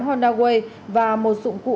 tám honda way và một dụng cụ